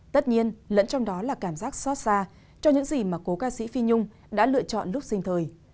tất nhiên lẫn trong đó là cảm giác xót xa cho những gì mà cố ca sĩ phi nhung đã lựa chọn lúc sinh thời